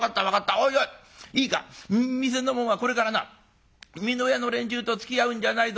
おいおいいいか店の者はこれからな美濃屋の連中とつきあうんじゃないぞ。